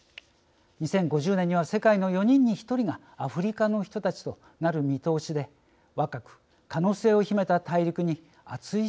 ２０５０年には世界の４人に１人がアフリカの人たちとなる見通しで若く可能性を秘めた大陸に熱い視線が注がれています。